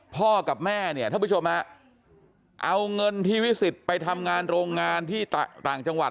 พ่อกับแม่เนี่ยท่านผู้ชมฮะเอาเงินที่วิสิทธิ์ไปทำงานโรงงานที่ต่างจังหวัด